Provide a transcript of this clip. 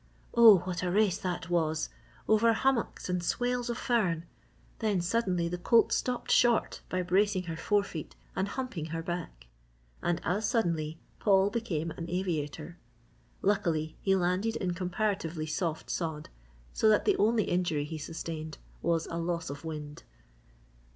Oh what a race that was! Over hummocks and swales of fern! then suddenly the colt stopped short by bracing her fore feet and humping her back. And as suddenly, Paul became an aviator. Luckily, he landed in comparatively soft sod so that the only injury he sustained was a loss of wind.